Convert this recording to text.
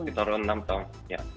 sekitar enam tahun